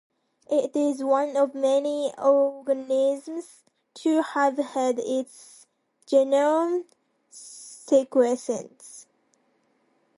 It is one of many organisms to have had its genome sequenced.